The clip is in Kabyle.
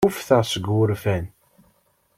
Kkuffteɣ seg wurfan.